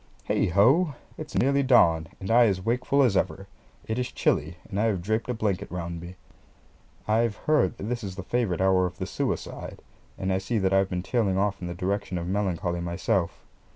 Heigh ho! it's nearly dawn, and I as wakeful as ever. It is chilly, and I have draped a blanket round me. I've heard that this is the favourite hour of the suicide, and I see that I've been tailing off in the direction of melancholy myself.